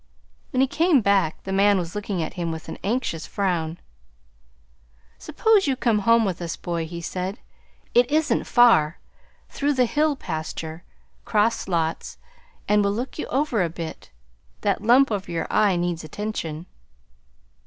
When he came back the man was looking at him with an anxious frown. "Suppose you come home with us, boy," he said. "It isn't far through the hill pasture, 'cross lots, and we'll look you over a bit. That lump over your eye needs attention."